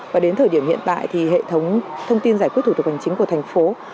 và đến thời điểm hiện tại thì hệ thống thông tin giải quyết thủ tục hành chính của thành phố